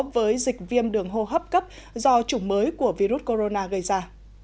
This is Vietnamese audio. với dịch viêm đường hô hấp cấp do chủng mới của virus corona gây ra